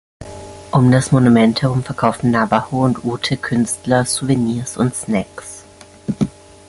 Um das Monument herum verkaufen Navajo- und Ute-Künstler Souvenirs und Snacks.